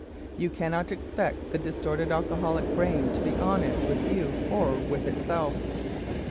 You cannot expect the distorted alcoholic brain to be honest with you or with itself.